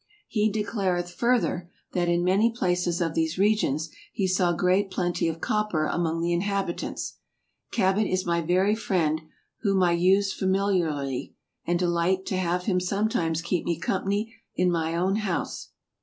Hee declareth further, that in many places of these Regions he saw great plentie of Copper among the inhabitants. Cabot is my very friend, whom I vse familiarly, and delight to haue him sometimes keepe mee company in mine owne house.